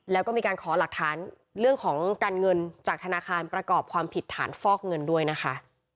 แล้วก็มีการขอหลักฐานเรื่องของการเงินจากธนาคารประกอบความผิดฐานฟอกเงินด้วยนะคะ